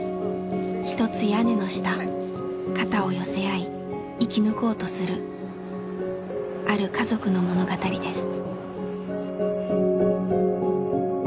一つ屋根の下肩を寄せ合い生き抜こうとするある家族の物語です。